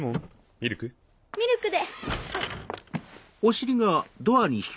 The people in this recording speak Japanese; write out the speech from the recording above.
ミルクで。